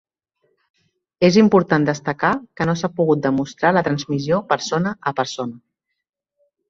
És important destacar que no s'ha pogut demostrar la transmissió persona a persona.